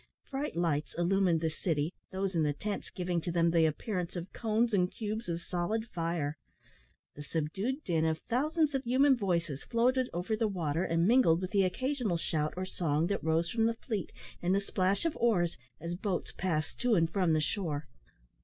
Bright lights illumined the city, those in the tents giving to them the appearance of cones and cubes of solid fire. The subdued din of thousands of human voices floated over the water, and mingled with the occasional shout or song that rose from the fleet and the splash of oars, as boats passed to and from the shore.